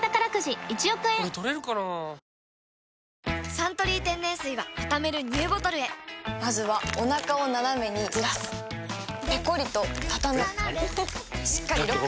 「サントリー天然水」はたためるＮＥＷボトルへまずはおなかをナナメにずらすペコリ！とたたむしっかりロック！